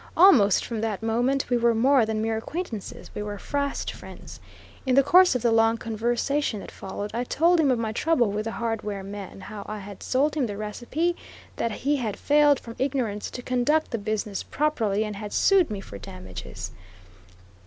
Almost from that moment we were more than mere acquaintances, we were fast friends. In the course of the long conversation that followed, I told him of my trouble with the hardware man how I had sold him the recipe; that he had failed, from ignorance to conduct the business properly, and had sued me for damages.